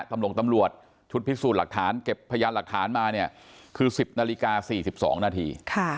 ตำรวจชุดพิสูจน์หลักฐานเก็บพยานหลักฐานมาเนี่ยคือ๑๐นาฬิกา๔๒นาที